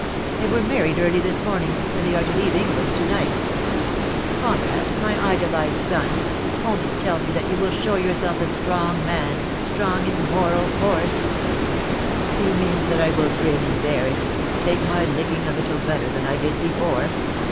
"They were married early this morning, and they are to leave England to night. Conrad, my idolised son, only tell me that you will show yourself a strong man — strong in moral force " "You mean that I will grin and bear it — take my licking a little better than I did before.